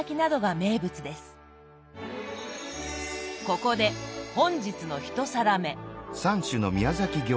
ここで本日の１皿目。